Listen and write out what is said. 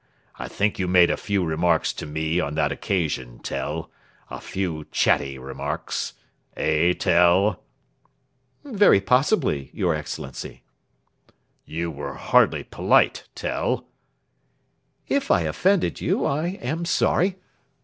I think you made a few remarks to me on that occasion, Tell a few chatty remarks? Eh, Tell?" "Very possibly, your Excellency." "You were hardly polite, Tell." "If I offended you I am sorry."